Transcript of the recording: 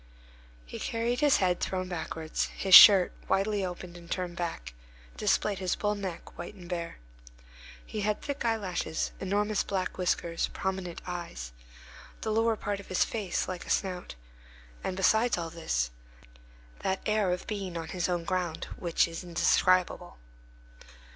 He carried his head thrown backwards; his shirt, widely opened and turned back, displayed his bull neck, white and bare. He had thick eyelashes, enormous black whiskers, prominent eyes, the lower part of his face like a snout; and besides all this, that air of being on his own ground, which is indescribable.